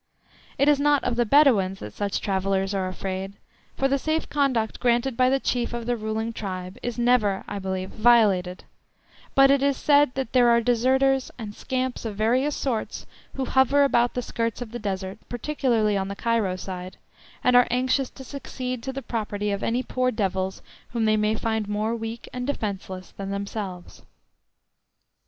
It is not of the Bedouins that such travellers are afraid, for the safe conduct granted by the chief of the ruling tribe is never, I believe, violated, but it is said that there are deserters and scamps of various sorts who hover about the skirts of the Desert, particularly on the Cairo side, and are anxious to succeed to the property of any poor devils whom they may find more weak and defenceless than themselves.